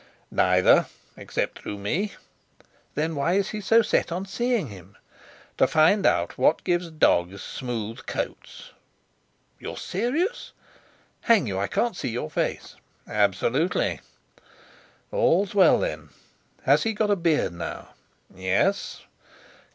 "Neither, except through me." "Then why is he so set on seeing him?" "To find out what gives dogs smooth coats." "You're serious? Hang you, I can't see your face." "Absolutely." "All's well, then. Has he got a beard now?" "Yes."